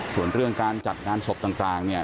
ส่วนเรื่องการจัดงานศพต่างเนี่ย